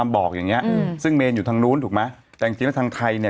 บอกอย่างเงี้อืมซึ่งเมนอยู่ทางนู้นถูกไหมแต่จริงจริงแล้วทางไทยเนี่ย